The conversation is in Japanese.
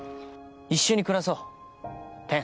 一緒に暮らそうてん。